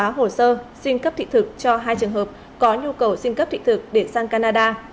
báo hồ sơ xin cấp thị thực cho hai trường hợp có nhu cầu xin cấp thị thực để sang canada